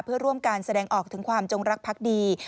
เพื่อร่วมการแสดงออกถึงความจงรักพักดี